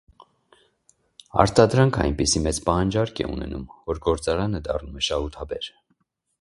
Արտադրանքը այնպիսի մեծ պահանջարկ է ունենում, որ գործարանը դառնում է շահութաբեր։